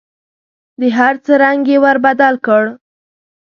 د هر څه رنګ یې ور بدل کړ .